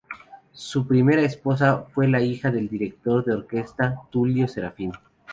Su primera esposa fue la hija del director de orquesta Tullio Serafin.